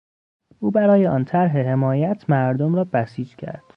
او برای آن طرح حمایت مردم را بسیج کرد.